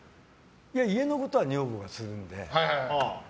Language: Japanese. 家のことは女房がするんで。